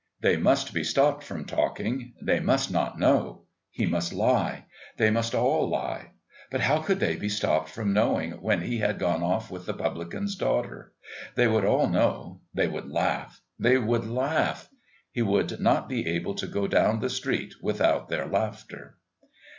They must be stopped from talking; they must not know. He must lie; they must all lie. But how could they be stopped from knowing when he had gone off with the publican's daughter? They would all know.... They would laugh...They would laugh. He would not be able to go down the street without their laughter.